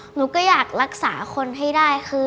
หนูก็อยากรักษาคนให้ได้คือ